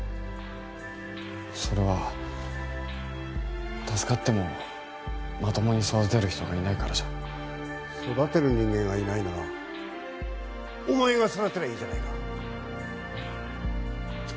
それは助かってもまともに育てる人がいないからじゃ育てる人間がいないならお前が育てればいいじゃないかえッ？